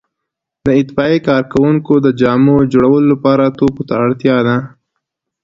د اطفائیې د کارکوونکو د جامو جوړولو لپاره توکو ته اړتیا ده.